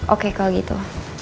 oke kalau gitu